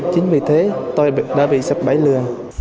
chính vì thế tôi đã bị sắp bãi lừa